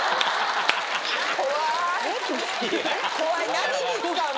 何に使うの？